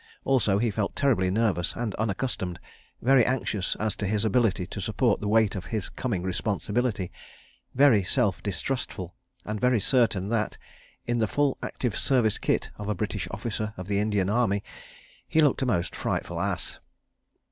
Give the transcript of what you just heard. Also he felt terribly nervous and unaccustomed, very anxious as to his ability to support the weight of his coming responsibility, very self distrustful, and very certain that, in the full active service kit of a British Officer of the Indian Army, he looked a most frightful ass.